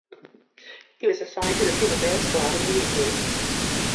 He was assigned to the primavera squad immediately.